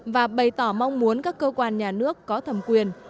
và bày tỏ mong muốn các cơ quan nhà nước có thẩm quyền